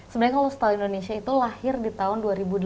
sebenarnya kalau setali indonesia itu lahir di tahun